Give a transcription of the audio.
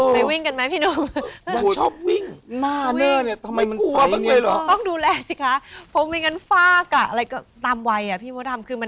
ไปวิ่งกันไหมพี่หนุ่ม